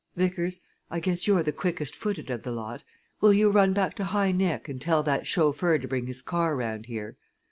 Vickers! I guess you're the quickest footed of the lot will you run back to High Nick and tell that chauffeur to bring his car round here?